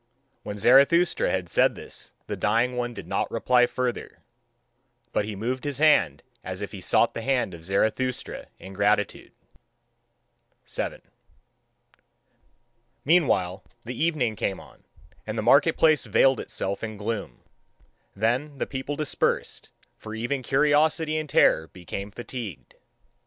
When Zarathustra had said this the dying one did not reply further; but he moved his hand as if he sought the hand of Zarathustra in gratitude. 7. Meanwhile the evening came on, and the market place veiled itself in gloom. Then the people dispersed, for even curiosity and terror become fatigued.